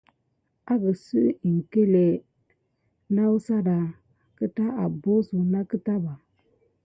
Akəɗsuw iŋkle afata suna abosuna kita ɓà.